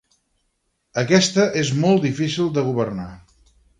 Aquesta és molt difícil de governar.